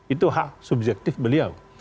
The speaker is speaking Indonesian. itu hak subjektif beliau